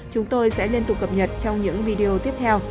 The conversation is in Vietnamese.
chúng tôi sẽ liên tục cập nhật trong những video tiếp theo